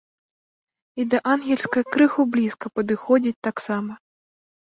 І да ангельскай крыху блізка падыходзіць таксама.